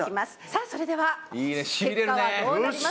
さあそれでは結果はどうなりますでしょうか？